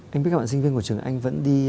anh biết các bạn sinh viên của trường anh vẫn đi